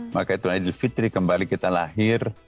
maka itu nabi jalfitri kembali kita lahir